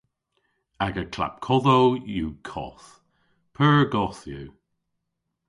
Aga klapkodhow yw koth. Pur goth yw.